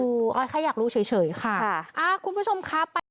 อืมอ่าแค่อยากรู้เฉยเฉยค่ะค่ะอ่าคุณผู้ชมครับ